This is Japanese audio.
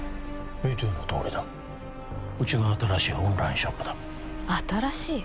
見てのとおりだうちの新しいオンラインショップだ新しい？